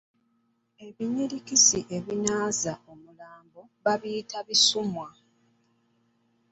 Ebinyirikisi ebinaaza omulambo babiyita Bisuumwa.